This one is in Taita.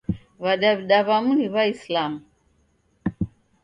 W'adaw'ida w'amu ni W'aisilamu.